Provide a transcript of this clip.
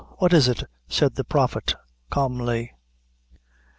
"What is it?" said the Prophet, calmly.